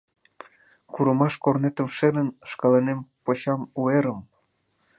Курымаш корнетым шерын, Шкаланем почам у эрым.